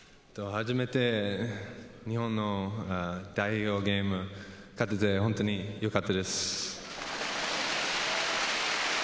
初めて日本の代表ゲーム、勝てて本当によかったです。